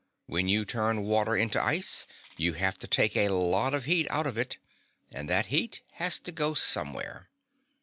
When you turn water into ice you have to take a lot of heat out of it, and that heat has to go somewhere.